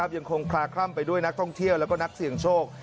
ยังคงคลาคล่ำไปด้วยนักท่องเที่ยวแล้วก็นักเสี่ยงโชค